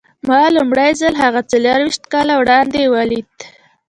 ما لومړی ځل هغه څلور ويشت کاله وړاندې وليد.